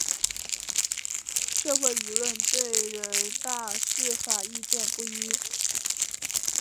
社会舆论对人大释法意见不一。